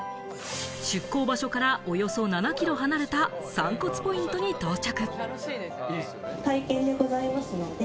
出航場所からおよそ７キロ離れた散骨ポイントに到着。